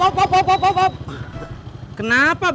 apa kabar otak doctrinesnya recovered